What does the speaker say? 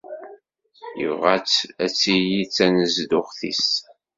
Ibɣa-tt ad tili d tanezduɣt-is.